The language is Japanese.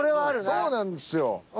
そうなんですよ。